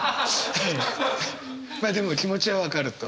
まあでも気持ちは分かると。